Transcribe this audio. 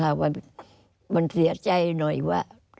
อันดับ๖๓๕จัดใช้วิจิตร